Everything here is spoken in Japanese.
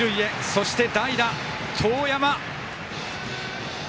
そして、代打、遠山。